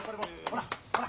ほらほら。